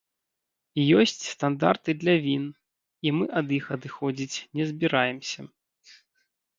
Ёсць стандарты для він, і мы ад іх адыходзіць не збіраемся.